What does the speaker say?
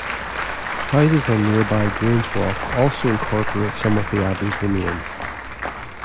Houses on nearby Grange Walk also incorporate some of the Abbey's remains.